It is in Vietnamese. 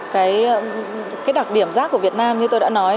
cái đặc điểm rác của việt nam như tôi đã nói